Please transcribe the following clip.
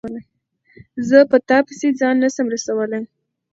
زه په تا پسي ځان نه سم رسولای